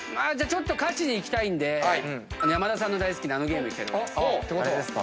ちょっと勝ちにいきたいんで山田さんの大好きなあのゲームいきたいと思います。